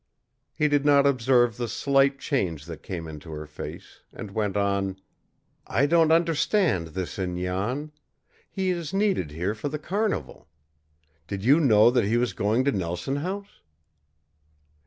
He did not observe the slight change that came into her face, and went on: "I don't understand this in Jan. He is needed here for the carnival. Did you know that he was going to Nelson House?"